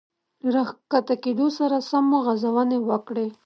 له را ښکته کېدو سره سم مو غځونې وکړې.